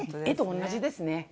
絵と同じですね。